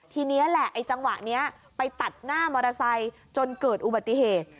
ทีนี้แหละไอ้จังหวะนี้ไปตัดหน้ามอเตอร์ไซค์จนเกิดอุบัติเหตุ